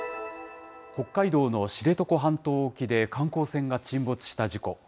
北海道の知床半島沖で観光船が沈没した事故。